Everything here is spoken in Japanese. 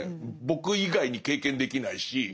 僕以外に経験できないし。